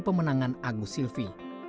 pemenangan agus silvi